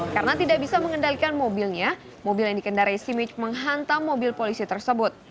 karena tidak bisa mengendalikan mobilnya mobil yang dikendarai simic menghantam mobil polisi tersebut